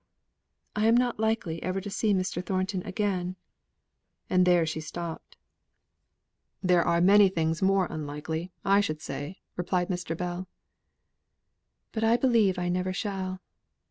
"I am not likely ever to see Mr. Thornton again," and there she stopped. "There are many things more unlikely, I should say," replied Mr. Bell. "But I believe I never shall.